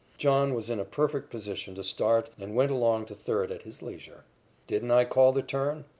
John was in a perfect position to start and went along to third at his leisure. "Didn't I call the turn?"